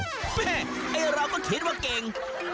ไอ้เราก็คิดว่าเก่ง